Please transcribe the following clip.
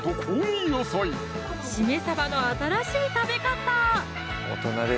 しめサバの新しい食べ方